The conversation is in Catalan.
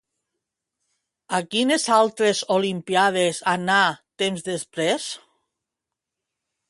A quines altres Olimpíades anà temps després?